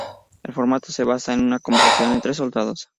El formato se basa en una conversación entre soldados.